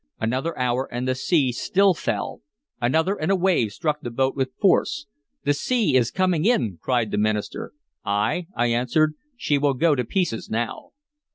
Another hour, and the sea still fell. Another, and a wave struck the boat with force. "The sea is coming in!" cried the minister. "Ay," I answered. "She will go to pieces now."